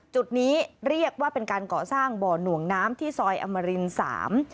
จุดนี้เรียกว่าเป็นการก่อสร้างบ่อหน่วงน้ำที่ซอยอมรินสาม